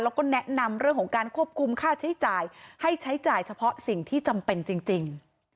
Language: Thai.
แล้วก็แนะนำเรื่องของการควบคุมค่าใช้จ่ายให้ใช้จ่ายเฉพาะสิ่งที่จำเป็นจริง